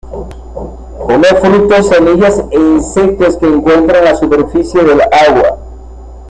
Come frutos, semillas e insectos que encuentra en la superficie del agua.